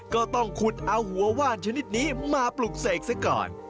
ก็ต้องขุดเอาหัวว่านชนิดนี้มาปลุกเสกซะก่อน